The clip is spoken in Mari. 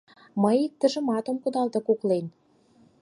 Мый иктыжымат ом кудалте куклен.